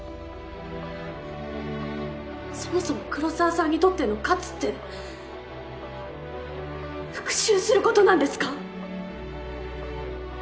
そもそも黒澤さんにとっての勝つって復讐することなんですか。